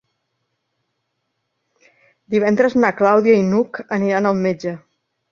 Divendres na Clàudia i n'Hug aniran al metge.